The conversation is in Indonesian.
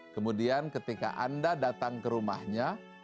kemudian ketika anda datang ke rumahnya